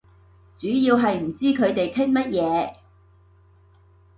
主要係唔知佢哋傾乜嘢